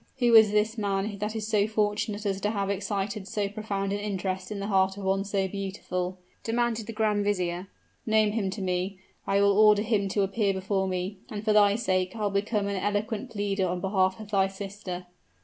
"Who is this man that is so fortunate as to have excited so profound an interest in the heart of one so beautiful?" demanded the grand vizier. "Name him to me I will order him to appear before me and, for thy sake, I will become an eloquent pleader on behalf of thy sister."